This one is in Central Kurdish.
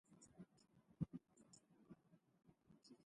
لەگەڵ شێخی هەرە گەورەی عەشایری شەممەڕ